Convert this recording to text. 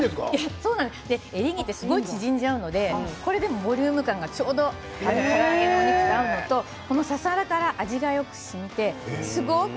エリンギってすごい縮んじゃうのでこれでもボリューム感がちょうどから揚げのお肉と合うのと味がしみてすごく。